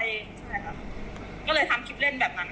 ใช่ค่ะก็เลยทำคลิปเล่นแบบนั้น